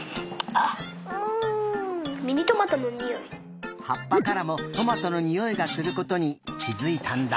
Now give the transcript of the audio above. はっぱからもトマトのにおいがすることにきづいたんだ！